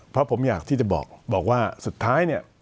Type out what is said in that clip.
เพราะผมอยากที่จะบอกว่าสุดท้ายเนี่ย